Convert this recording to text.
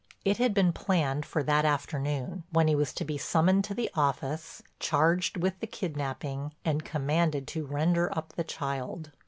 It had been planned for that afternoon, when he was to be summoned to the office, charged with the kidnaping and commanded to render up the child.